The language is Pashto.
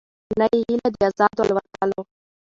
نه یې هیله د آزادو الوتلو